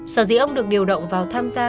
sở dĩ ông được điều động vào tham gia